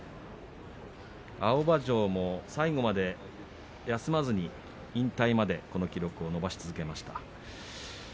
青葉城は最後まで休まずに引退まで休まずにこの記録を伸ばし続けました。